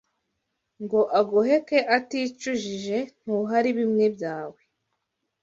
ngo agoheke aticujije ntuhari bimwe byawe